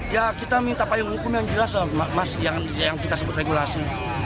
ya kita minta payung hukum yang jelas lah mas yang kita sebut regulasi